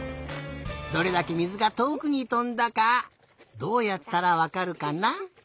どれだけ水がとおくにとんだかどうやったらわかるかな？